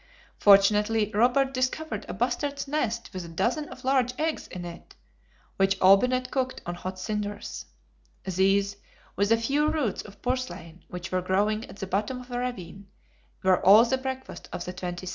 Fortunately, Robert discovered a bustard's nest with a dozen of large eggs in it, which Olbinett cooked on hot cinders. These, with a few roots of purslain which were growing at the bottom of a ravine, were all the breakfast of the 22d.